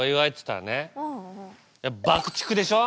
爆竹でしょ？